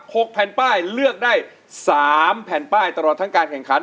หกแผ่นป้ายเลือกได้สามแผ่นป้ายตลอดทั้งการแข่งขัน